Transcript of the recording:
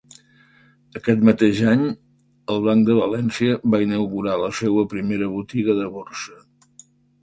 Aquest mateix any, el Banc de València va inaugurar la seua primera botiga de Borsa.